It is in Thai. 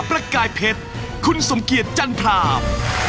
ประกายเพชรคุณสมเกียจจันทราม